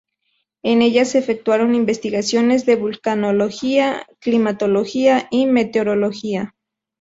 En ella se efectuaron investigaciones de vulcanología, climatología y meteorología.